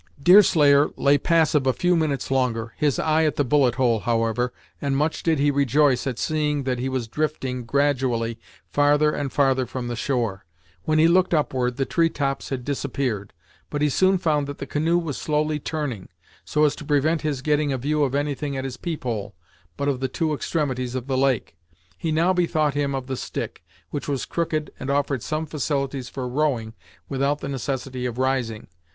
Deerslayer lay passive a few minutes longer, his eye at the bullet hole, however, and much did he rejoice at seeing that he was drifting, gradually, farther and farther from the shore. When he looked upward, the treetops had disappeared, but he soon found that the canoe was slowly turning, so as to prevent his getting a view of anything at his peephole, but of the two extremities of the lake. He now bethought him of the stick, which was crooked and offered some facilities for rowing without the necessity of rising.